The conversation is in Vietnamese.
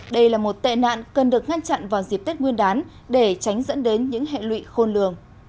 đây là một tệ nạn cần được ngăn chặn vào dịp tết nguyên đán để tránh dẫn đến những hệ lụy khôn lường